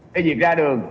cái việc ra đường